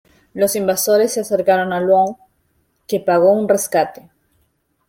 Los invasores se acercaron Lwów, que pagó un rescate.